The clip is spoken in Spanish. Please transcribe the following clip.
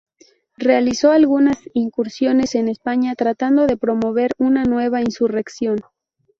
Realizó algunas incursiones en España tratando de promover una nueva insurrección.